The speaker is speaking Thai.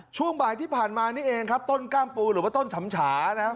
ช่วงบ่ายที่ผ่านมานี่เองครับต้นกล้ามปูหรือว่าต้นฉำฉานะครับ